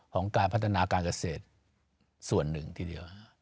ของการพัฒนาการเกษตรส่วนหนึ่งทีเดียว